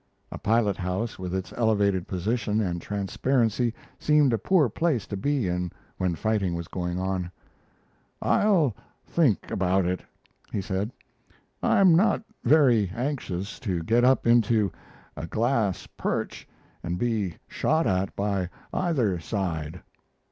A pilot house with its elevated position and transparency seemed a poor place to be in when fighting was going on. "I'll think about it," he said. "I'm not very anxious to get up into a glass perch and be shot at by either side.